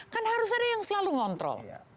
kan harus ada yang selalu ngontrol